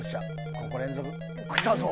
ここ連続きたぞ！